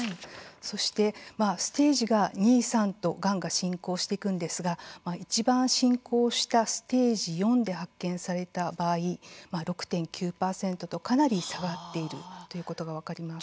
そして、ステージが２、３とがんが進行していくんですがいちばん進行したステージ４で発見された場合６．９％とかなり下がっているということが分かりました。